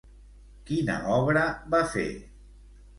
Quina obra va fer?